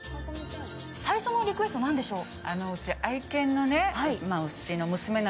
最初のリクエストは何でしょう。